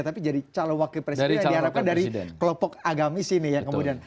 tapi jadi calon wakil presiden yang diharapkan dari kelopok agama sini ya kemudian